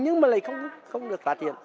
nhưng mà lại không được phát triển